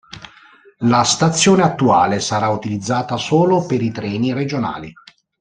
La stazione attuale sarà utilizzata solo per i treni regionali.